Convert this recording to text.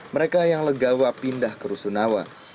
mereka yang legawa pindah ke rusun nawa